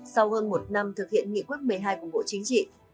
sau hơn một năm thực hiện nghị quyết một mươi hai của bộ chính trị